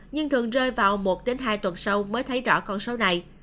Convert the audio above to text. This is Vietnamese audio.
nhưng thường rơi vào một đến hai tuần sau mới thấy rõ con số này